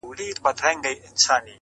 په زړه سخت ظالمه یاره سلامي ولاړه ومه؛